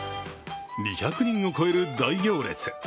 ２００人を超える大行列